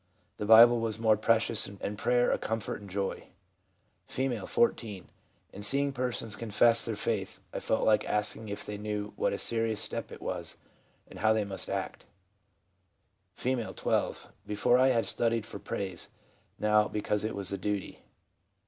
The Bible was more precious, and prayer a comfort and joy.' F., 14. * In seeing persons confess their faith I felt like asking if they knew what a serious step it was, and how they must act/ F., 12. ' Before, I had studied for praise ; now, because it was a duty.